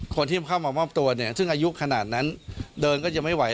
คนที่เข้ามามอบตัวเนี่ยซึ่งอายุขนาดนั้นเดินก็จะไม่ไหว